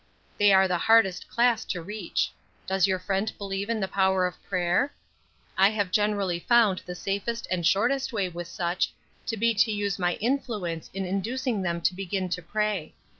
"They are the hardest class to reach. Does your friend believe in the power of prayer? I have generally found the safest and shortest way with such to be to use my influence in inducing them to begin to pray.